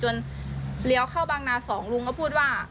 เลี้ยวเข้าบางนา๒ลุงก็พูดว่า